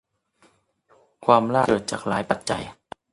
ความล่าช้าที่เกิดจากหลายปัจจัย